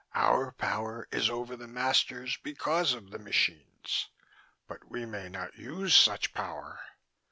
Our power is over the masters because of the machines. But we may not use such power.